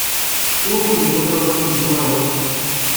Wukud i telliḍ la tettmeslayeḍ?